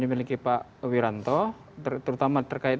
dimiliki pak wiranto terutama terkait